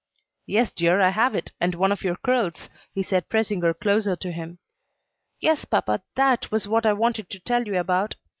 "Yes, dear, I have it, and one of your curls," he said, pressing her closer to him. "Yes, papa, that was what I wanted to tell you about.